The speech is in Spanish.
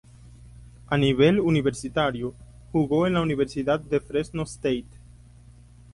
A nivel universitario jugo en la Universidad de Fresno State.